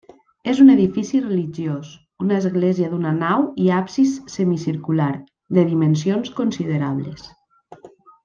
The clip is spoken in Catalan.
És un edifici religiós, una església d'una nau i absis semicircular, de dimensions considerables.